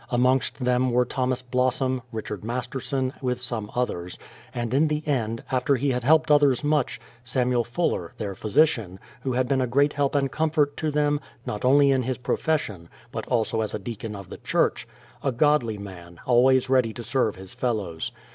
Amongst them were Thomas Blossom, Richard Masterson with some others: and in the end, after he had helped others much, Samuel Fuller, their physician, who had been a great help and comfort to them, not only in his profession, but also as a deacon of the church, a godly man, always ready to serve his fellows.